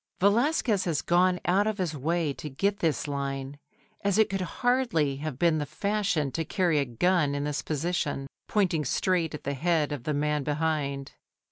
Velazquez has gone out of his way to get this line, as it could hardly have been the fashion to carry a gun in this position, pointing straight at the head of the man behind.